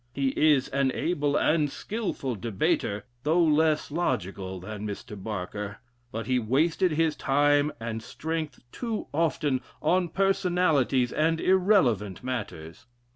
He is an able and skillful debater, though less logical than Mr. Barker, but he wasted his time and strength too often on personalities and irrelevant matters.